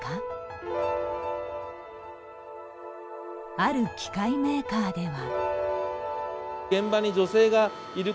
ある機械メーカーでは。